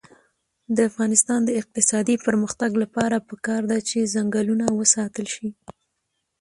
د افغانستان د اقتصادي پرمختګ لپاره پکار ده چې ځنګلونه وساتل شي.